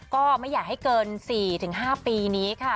ก็ไม่อยากให้เกิน๔๕ปีนี้ค่ะ